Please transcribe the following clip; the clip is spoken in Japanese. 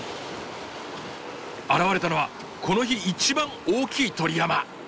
現れたのはこの日一番大きい鳥山！